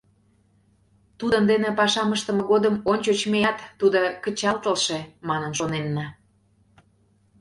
— Тулын дене пашам ыштыме годым ончыч меат, тудо кычалтылше, манын шоненна.